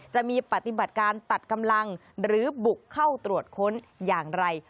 จะมีปฏิบัติการตัดกำลังหรือบุกเข้าตรวจค้นอย่างไร